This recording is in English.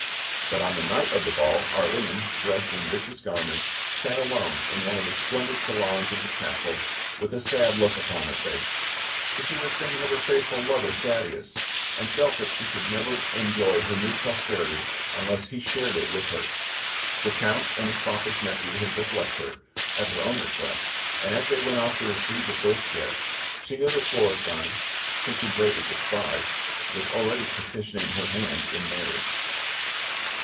But on the night of the ball, Arline, dressed in richest garments, sat alone in one of the splendid salons of the castle, with a sad look upon her face; for she was thinking of her faithful lover, Thaddeus, and felt that she could never enjoy her new prosperity unless he shared it with her. The Count and his foppish nephew had just left her, at her own request; and as they went off to receive the first guests, she knew that Florestein, whom she greatly despised, was already petitioning her hand in marriage.